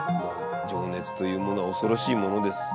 情熱というものは恐ろしいものです。